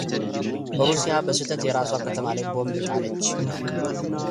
ሩሲያ በስህተት የራሷ ከተማ ላይ ቦምብ ጣለች